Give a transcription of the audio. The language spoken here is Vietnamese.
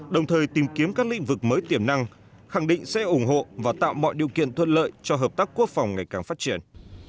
đồng thời tìm kiếm các lĩnh vực mới tiềm năng khẳng định sẽ ủng hộ và tạo mọi điều kiện thuận lợi cho hợp tác quốc phòng ngày càng phát triển